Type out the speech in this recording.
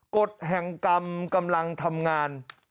กฎแห่งกรรมกำลังทำงาน